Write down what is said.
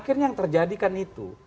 akhirnya yang terjadikan itu